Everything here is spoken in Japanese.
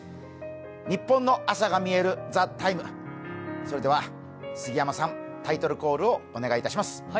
ニッポンの朝がみえる「ＴＨＥＴＩＭＥ，」、それでは杉山さん、タイトルコールをお願いします。